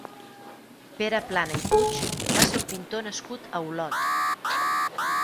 Pere Plana i Puig va ser un pintor nascut a Olot.